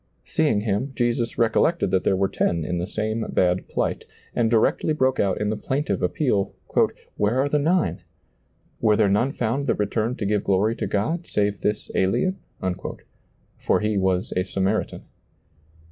Seeing him, Jesus recol lected that there were ten in the same bad plight, and directly broke out in the plaintive appeal, " Where arc the nine? Were there none found that returned to give glory to God, save this alien ?" For he was a Samaritan.